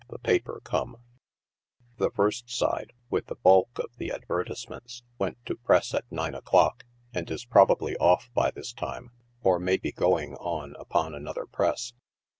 the paper come ; the first side, with the bulk of the advertisements, went to press at nine o'clock, and is probably off by this time, or may be going on upon another press.